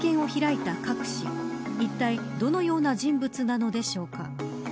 いったい、どのような人物なのでしょうか。